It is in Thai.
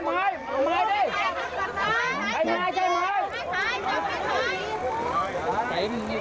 ไอ้มันมา